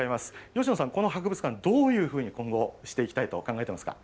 吉野さん、この博物館、どういうふうに今後、していきたいと考えていますか。